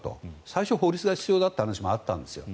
最初、法律が必要だという話もあったんです。